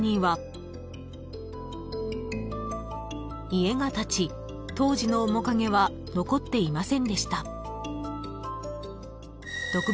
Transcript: ［家が建ち当時の面影は残っていませんでした］